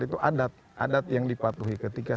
itu adat adat yang dipatuhi ketika